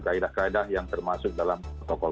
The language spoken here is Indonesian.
keadaan keadaan yang termasuk dalam protokol